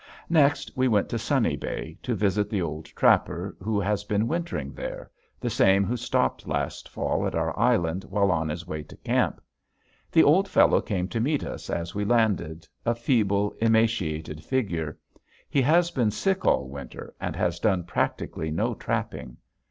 Next we went to Sunny Bay to visit the old trapper who has been wintering there the same who stopped last fall at our island while on his way to camp. The old fellow came to meet us as we landed, a feeble, emaciated figure. He has been sick all winter and has done practically no trapping.